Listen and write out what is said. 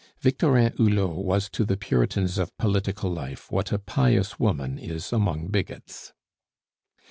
Victorin Hulot was to the puritans of political life what a pious woman is among bigots.